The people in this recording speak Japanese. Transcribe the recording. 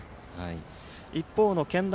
一方の健大